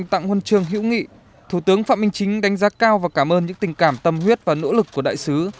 tặng huân chương hữu nghị thủ tướng phạm minh chính đánh giá cao và cảm ơn những tình cảm tâm huyết và nỗ lực của đại sứ